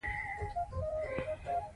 هغه مهال د انګریزۍ خلاف مبارزه روانه وه.